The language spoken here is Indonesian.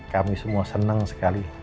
kami semua seneng sekali